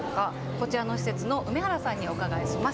こちらの施設の梅原さんにお伺いします。